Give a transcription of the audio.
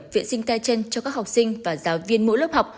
vệ sinh tay chân cho các học sinh và giáo viên mỗi lớp học